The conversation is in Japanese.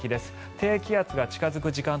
低気圧が近付く時間帯